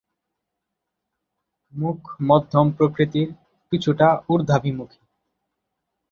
মুখ মধ্যম প্রকৃতির, কিছুটা উর্ধাভিমুখী।